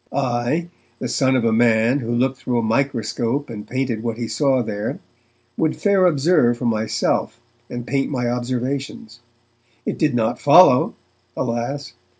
I, the son of a man who looked through a microscope and painted what he saw there, would fair observe for myself, and paint my observations. It did not follow, alas!